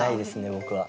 僕は。